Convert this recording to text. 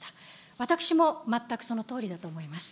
私も全くそのとおりだと思います。